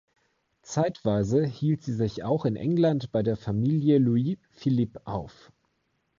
Zeitweise hielt sie sich auch in England bei der Familie Louis-Philippes auf.